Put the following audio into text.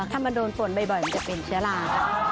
ถ้ามาโดนฝนบ่อยมันจะเป็นเชื้อรา